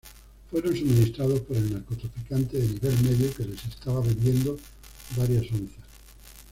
Fueron suministrados por el narcotraficante de nivel medio que les estaba vendiendo varias onzas.